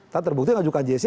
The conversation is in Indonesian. tapi terbukti ngajukan jese